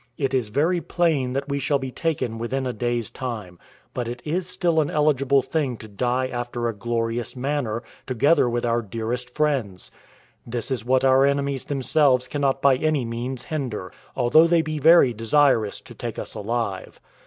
It is very plain that we shall be taken within a day's time; but it is still an eligible thing to die after a glorious manner, together with our dearest friends. This is what our enemies themselves cannot by any means hinder, although they be very desirous to take us alive.